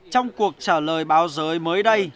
trong cuộc trả lời báo giới mới đây